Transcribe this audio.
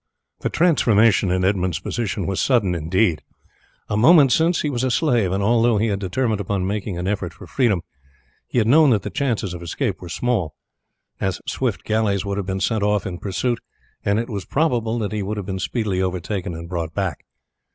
The transformation in Edmund's position was sudden indeed; a moment since he was a slave, and although he had determined upon making an effort for freedom, he had known that the chances of escape were small, as swift galleys would have been sent off in pursuit, and it was probable that he would have been speedily overtaken and brought back.